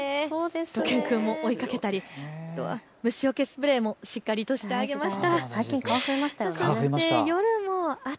しゅと犬くんも追いかけたり虫よけスプレーもしっかりとしてあげました。